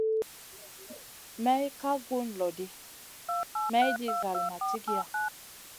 May ka gun lo ɗi, mayɗin zall ma cigiya.